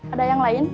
ada yang lain